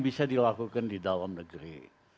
bisa dilakukan di dalam negeri